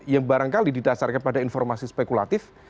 yang barangkali didasarkan pada informasi spekulatif